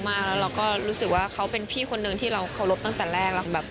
แล้วเราก็รู้สึกว่าเขาเป็นพี่คนนึงที่เราเคารพตั้งแต่แรกแล้วแบบ